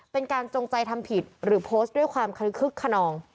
จงใจทำผิดหรือโพสต์ด้วยความคึกขนอง